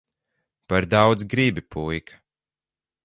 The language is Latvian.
Par daudz gribi, puika.